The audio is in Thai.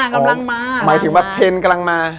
หมายถึงว่าเทนกำลังมา